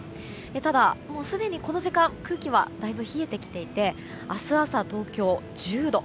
ただ、すでにこの時間空気はだいぶ冷えてきていて明日朝、東京１０度。